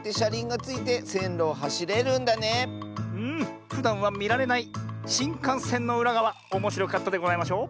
うん。ふだんはみられないしんかんせんのうらがわおもしろかったでございましょ。